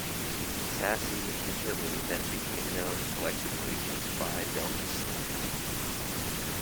Sassi and Tilly then became known collectively as "Phi Delta Slam".